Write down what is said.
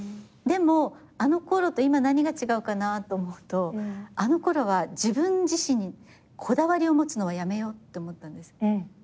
でもあのころと今何が違うかなと思うとあのころは自分自身にこだわりを持つのはやめようって思ったんです。